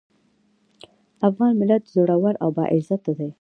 افغان ملت زړور او باعزته دی.